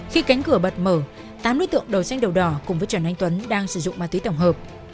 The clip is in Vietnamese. khi cánh cửa bật mở tám đối tượng đầu xanh đầu đỏ cùng với trần anh tuấn đang sử dụng ma túy tổng hợp